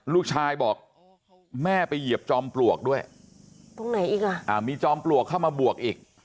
ลูกชายบอกแม่ไปเหยียบจอมปลวกด้วยตรงไหนอีกอ่ะอ่ามีจอมปลวกเข้ามาบวกอีก